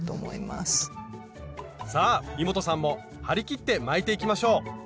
さあイモトさんも張り切って巻いていきましょう！